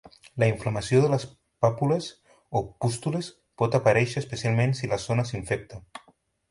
La inflamació de les pàpules o pústules pot aparèixer especialment si la zona s'infecta.